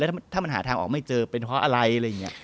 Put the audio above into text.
ถ้ามันหาทางออกไม่เจอเป็นเพราะอะไร